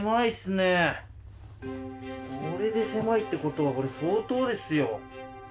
俺で狭いってことはこれ相当ですよ。